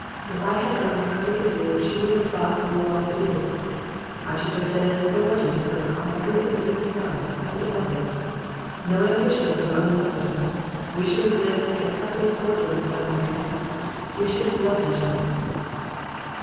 If I had earned a hundred a year she would have thought we were well to do. I should have been an authority to her on everything under the sun and above it. No ambition would have unsettled her. We should have lived in a couple of poor rooms somewhere, and we should have loved each other.